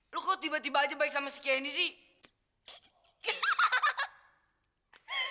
lo kok tiba tiba aja baik sama si candy sih